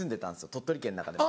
鳥取県の中でも。